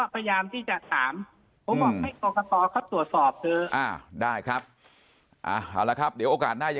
ผมให้ความเป็นทางกับท่านว่าปรกตรก็สวดให้แล้ว